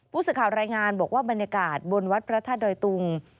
ผู้สื่อข่าวรายงานบอกว่าบรรยากาศบนวัดพระธาตุดอยตุง